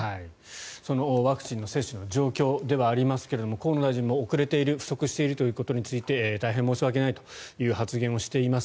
そのワクチン接種の状況ではありますが河野大臣も遅れている不足しているということについて大変申し訳ないという発言をしています。